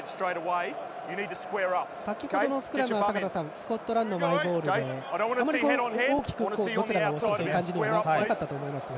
先程のスクラムは坂田さん、スコットランドのマイボールでしたがあまり大きくどちらが押すという感じはなかったと思いますが。